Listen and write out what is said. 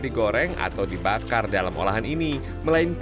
kegiatan di pagi hari